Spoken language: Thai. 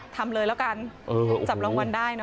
ทำเลยแล้วกันจับรางวัลได้นะ